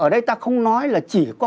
ở đây ta không nói là chỉ có